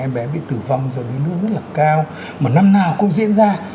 em bé bị tử vong do đuối nước rất là cao mà năm nào cũng diễn ra